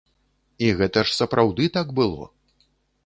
І гэта ж сапраўды так было.